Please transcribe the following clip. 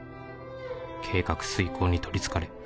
「計画遂行に取り憑かれ」